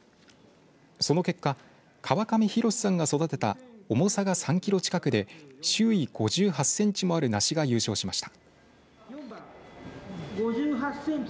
その結果、川上浩司さんが育てた重さが３キロ近くで周囲５８センチもある梨が優勝しました。